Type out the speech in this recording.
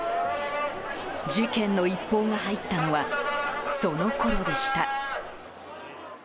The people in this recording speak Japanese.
事件の一報が入ったのはそのころでした。